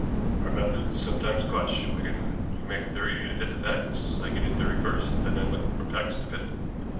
"Our methods sometimes clash, Wigan. You make a theory to fit the facts; I get a theory first, and then look for facts to fit it.